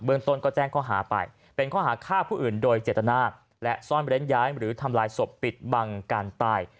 เมืองต้นก็แจ้งข้อหาไปเป็นข้อหาฆ่าผู้อื่นโดยเจตนาและซ่อนเร้นย้ายหรือทำลายศพปิดบังการตาย